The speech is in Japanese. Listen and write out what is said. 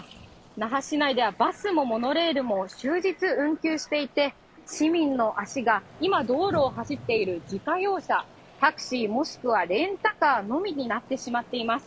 那覇市内ではバスもモノレールも終日運休していて市民の足が今道路を走っている自家用車、タクシーもしくはレンタカーのみになってしまっています。